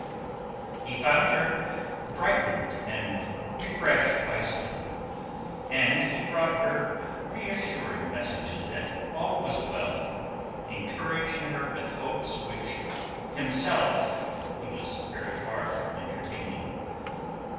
He found her brightened and refreshed by sleep, and he brought her reassuring messages that all was well, encouraging her with hopes which himself he was very far from entertaining.